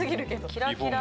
キラキラ。